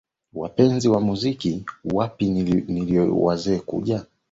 wapenzi wa muziki wapi nilipo iyo waweze kuja